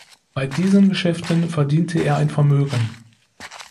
Bei diesen Geschäften verdiente er ein Vermögen.